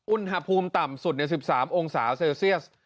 อุณหภูมิต่ำสุดใน๑๓องศาเซลเซียส